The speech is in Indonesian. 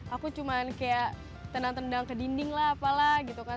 aku cuma kayak tenang tendang ke dinding lah apalah gitu kan